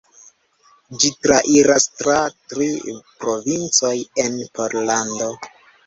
Ĝi trairas tra tri provincoj en Pollando.